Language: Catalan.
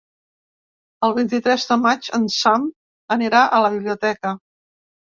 El vint-i-tres de maig en Sam anirà a la biblioteca.